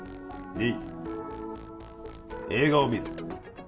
２映画を見る